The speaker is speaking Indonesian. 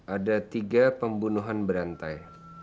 ada tiga pembunuhan berantai